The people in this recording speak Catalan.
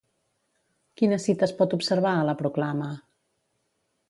Quina cita es pot observar a la proclama?